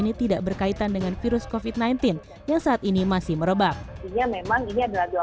ini tidak berkaitan dengan virus covid sembilan belas yang saat ini masih merebak memang ini adalah dua